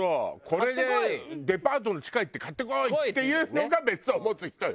「これでデパートの地下行って買ってこい」って言うのが別荘を持つ人よ。